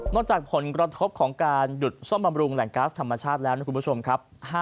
จากผลกระทบของการหยุดซ่อมบำรุงแหล่งก๊าซธรรมชาติแล้วนะคุณผู้ชมครับ